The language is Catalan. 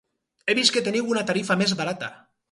He vist que teniu una tarifa més barata.